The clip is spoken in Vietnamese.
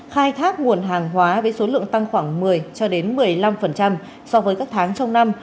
khai thác nguồn hàng hóa với số lượng tăng khoảng một mươi cho đến một mươi năm so với các tháng trong năm